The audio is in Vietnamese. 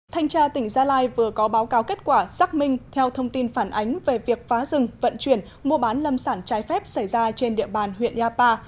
thanh tra tỉnh gia lai vừa có báo cáo kết quả xác minh theo thông tin phản ánh về việc phá rừng vận chuyển mua bán lâm sản trái phép xảy ra trên địa bàn huyện yapa